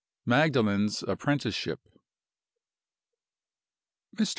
MAGDALEN'S APPRENTICESHIP. "MR.